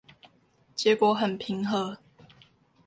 結果很平和